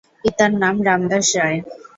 পিতার নাম রামদাস রায়।